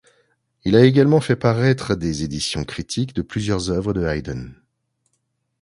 Il a également fait paraître des éditions critiques de plusieurs œuvres de Haydn.